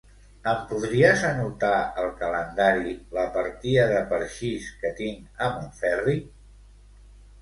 Em podries anotar al calendari la partida de parxís que tinc a Montferri?